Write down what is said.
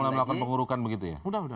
sudah melakukan pengurukan begitu ya